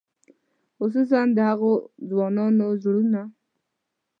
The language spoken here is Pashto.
خصوصاً د هغو ځوانانو زړونه.